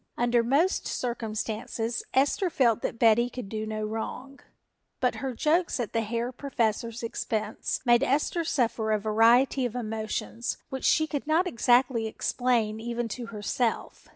Under most circumstances Esther felt that Betty could do no wrong, but her jokes at the Herr Professor's expense made Esther suffer a variety of emotions which she could not exactly explain even to herself.